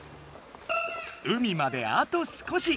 海まであと少し。